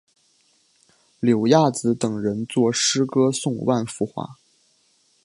柳亚子等人作诗歌颂万福华。